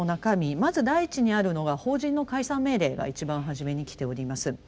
まず第一にあるのが「法人の解散命令」が一番はじめにきております。